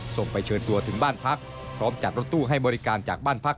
ส่งไปเชิญตัวถึงบ้านพักพร้อมจัดรถตู้ให้บริการจากบ้านพัก